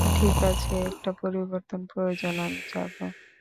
ঠিক আছে, একটা পরিবর্তন প্রয়োজন, আমি যাব।